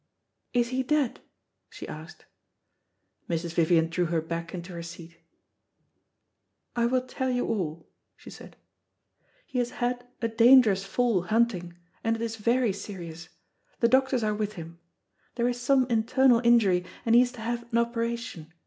"Is he dead?" she asked. Mrs. Vivian drew her back into her seat. "I will tell you all," she said. "He has had a dangerous fall hunting, and it is very serious. The doctors are with him. There is some internal injury, and he is to have an operation.